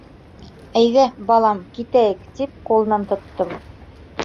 — Әйҙә, балам, китәйек, — тип ҡулынан тоттом.